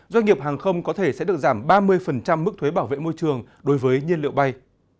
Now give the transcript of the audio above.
doanh nghiệp hàng không có thể sẽ được giảm ba mươi mức thuế bảo vệ môi trường đối với nhiên liệu bay